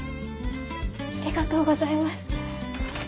ありがとうございます。